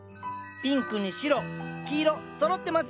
ピンクに白黄色そろってますよ。